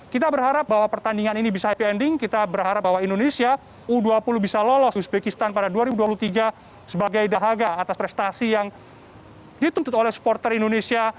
kita berharap bahwa pertandingan ini bisa happy ending kita berharap bahwa indonesia u dua puluh bisa lolos uzbekistan pada dua ribu dua puluh tiga sebagai dahaga atas prestasi yang dituntut oleh supporter indonesia